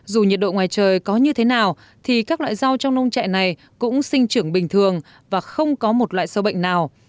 dù nhiệt độ ngoài trời có như thế nào thì các loại rau trong nông trại này cũng sinh trưởng bình thường và không có một loại sâu bệnh nào